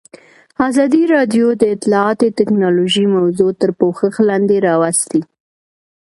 ازادي راډیو د اطلاعاتی تکنالوژي موضوع تر پوښښ لاندې راوستې.